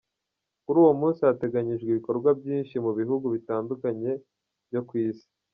Kuri uwo munsi hateganyijwe ibikorwa byinshi mu bihugu bitandukanye byo kw’isi.